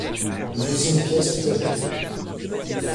Une deuxième pièce fut ajoutée.